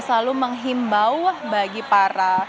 selalu menghimbau bagi para